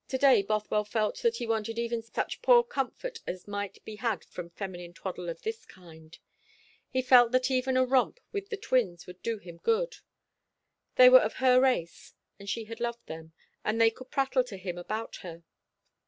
To day Bothwell felt that he wanted even such poor comfort as might be had from feminine twaddle of this kind. He felt that even a romp with the twins would do him good. They were of her race, and she had loved them, and they could prattle to him about her.